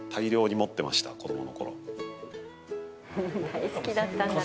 大好きだったんだろうな。